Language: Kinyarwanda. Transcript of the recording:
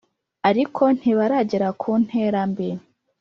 ariko ntibiragera ku ntera mbi